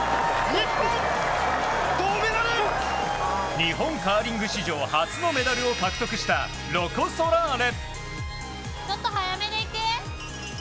日本カーリング史上初のメダルを獲得したロコ・ソラーレ。